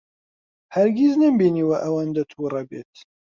هەرگیز نەمبینیوە ئەوەندە تووڕە بێت.